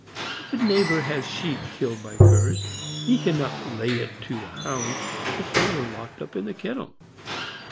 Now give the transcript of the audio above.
If a neighbor has sheep killed by curs, he can not lay it to the Hounds if they were locked up in the kennel.